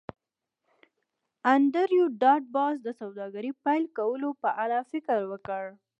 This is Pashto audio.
انډریو ډاټ باس د سوداګرۍ پیل کولو په اړه فکر وکړ